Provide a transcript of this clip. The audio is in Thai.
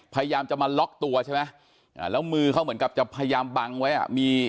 พยายามจะมาล็อกตัวใช่ไหมอ่าแล้วมือเขาเหมือนกับจะพยายามบังไว้อ่ะมี